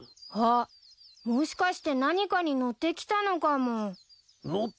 あっもしかして何かに乗ってきたのかも。